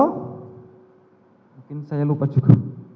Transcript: mungkin saya lupa juga